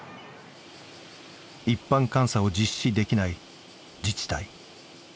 一般監査を実施できない自治体。